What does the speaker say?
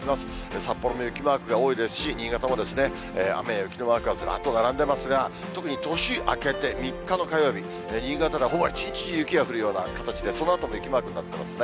札幌も雪マークが多いですし、新潟もですね、雨や雪のマークがずらっと並んでますが、特に年明けて３日の火曜日、新潟ではほぼ一日中、雪が降るような形で、そのあとお天気マークになってますね。